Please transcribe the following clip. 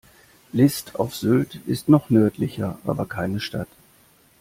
List auf Sylt ist noch nördlicher, aber keine Stadt.